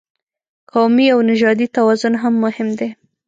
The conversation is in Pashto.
قومي او نژادي توازن هم مهم دی.